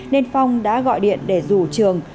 nên phong đã gọi điện để rủ trường